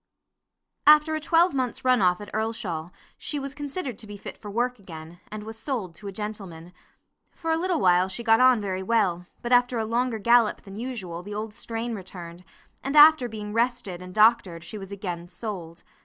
After a twelvemonth's run off at Earlshall, she was considered to be fit for work again, and was sold to a gentleman. For a little while she got on very well, but after a longer gallop than usual the old strain returned, and after being rested and doctored she was again sold.